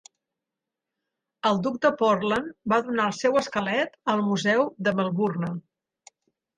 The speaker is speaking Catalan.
El duc de Portland va donar el seu esquelet al Museu de Melbourne.